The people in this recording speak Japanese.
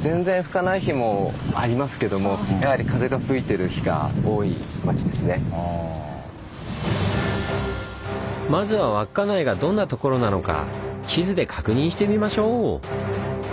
全然吹かない日もありますけどもやはりまずは稚内がどんなところなのか地図で確認してみましょう！